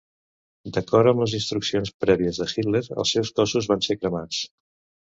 D'acord amb les instruccions prèvies de Hitler, els seus cossos van ser cremats.